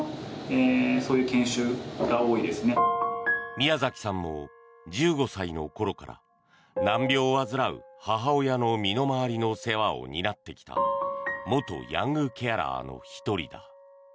宮崎さんも１５歳の頃から難病を患う母親の身の回りの世話を担ってきた元ヤングケアラーの１人だ。